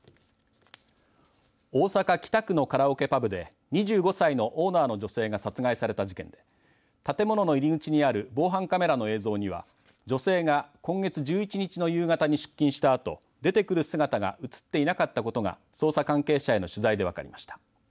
大阪、北区のカラオケパブで２５歳のオーナーの女性が殺害された事件で建物の入り口にある防犯カメラの映像には女性が今月１１日の夕方に出勤したあと出てくる姿が写っていなかったことが捜査関係者への取材で分かりました。